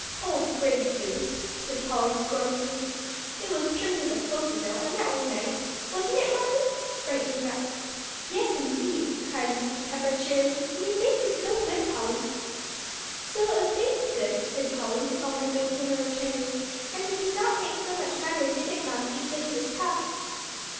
"Old gray goose!" said Polly, scornfully. "It was trimmed with a posy, though, and that was nice, wasn't it, Mammy?" brightening up. "Yes, indeed," cried Mrs. Pepper, cheerily; "and you baked it so good, Polly." "So it was baked good," said Polly, all her good humor returning. "And it did not make so much matter, did it, Mamsie, that he was tough?"